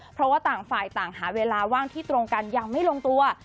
เพราะว่าต่างฝ่ายต่างหาเวลาว่างที่ตรงกันยังไม่ลงตัว